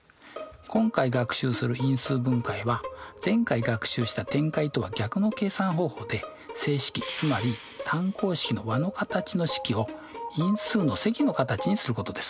今回学習する因数分解は前回学習した展開とは逆の計算方法で整式つまり単項式の和の形の式を因数の積の形にすることです。